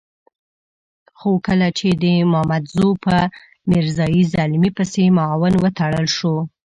خو کله چې د مامدزو په میرزا زلمي پسې معاون وتړل شو.